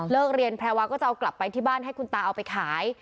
เรียนแพรวาก็จะเอากลับไปที่บ้านให้คุณตาเอาไปขาย